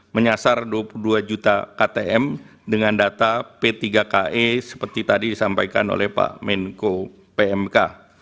menyasar dua puluh dua juta ktm dengan data p tiga ka seperti tadi disampaikan oleh pak menko pmk